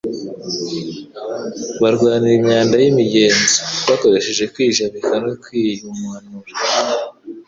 barwanira imyanda y'imigenzo, bakoresheje kwijabika no kwihumanura,